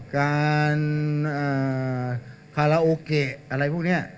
การคาราโอเกะอะไรพวกนี้